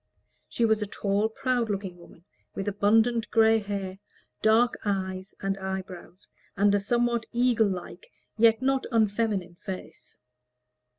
She was a tall, proud looking woman, with abundant gray hair, dark eyes and eyebrows, and a somewhat eagle like yet not unfeminine face.